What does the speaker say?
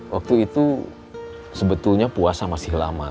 waktu itu sebetulnya puasa masih lama